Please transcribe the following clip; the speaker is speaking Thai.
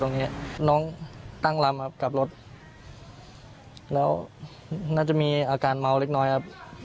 ตรงนี้น้องตั้งลำครับกลับรถแล้วน่าจะมีอาการเมาเล็กน้อยครับ